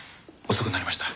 遅くなりました。